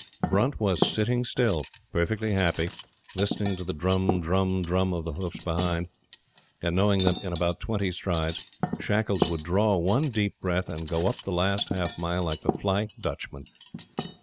Brunt was sitting still, perfectly happy, listening to the "drum, drum, drum" of the hoofs behind, and knowing that, in about twenty strides, Shackles would draw one deep breath and go up the last half mile like the "Flying Dutchman."